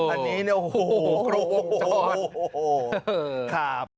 อันนี้เนี่ยโหโหโหโหโหครับ